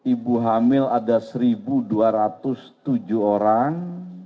ibu hamil ada satu dua ratus tujuh orang